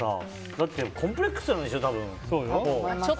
だってコンプレックスなんでしょ。